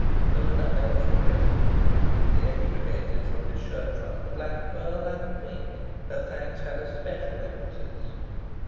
There was no help for it. He quickly extricated from his shirt front the black pearl and the pink. Her thanks had a special emphasis.